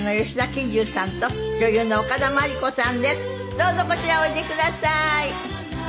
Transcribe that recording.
どうぞこちらへおいでください。